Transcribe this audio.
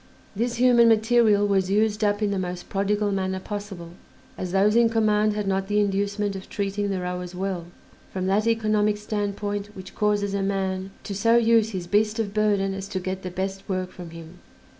This human material was used up in the most prodigal manner possible, as those in command had not the inducement of treating the rowers well, from that economic standpoint which causes a man to so use his beast of burden as to get the best work from him.